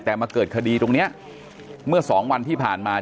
แต่มาเกิดคดีตรงนี้เมื่อสองวันที่ผ่านมา